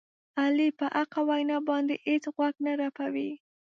علي په حقه وینا باندې هېڅ غوږ نه رپوي.